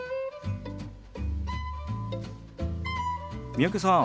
三宅さん